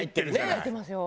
入ってますよ。